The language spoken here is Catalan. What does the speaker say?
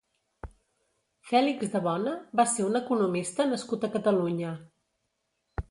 Fèlix de Bona va ser un economista nascut a Catalunya.